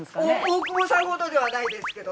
大久保さんほどではないですけど。